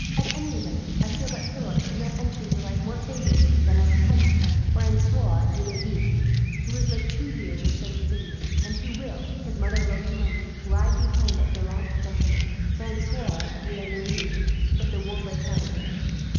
"At any rate, I feel that Philip could not enter into life more favourably than as cousin of Francois de Laville; who is but two years or so his senior, and who will, his mother wrote to Marie, ride behind that gallant gentleman, Francois de la Noue, if the war breaks out again.